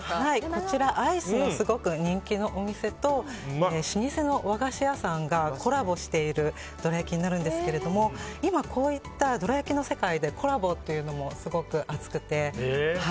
こちらはアイスがすごく人気のお店と老舗の和菓子屋さんがコラボしているどら焼きになるんですけど今、こういったどら焼きの世界でコラボがすごく熱くて。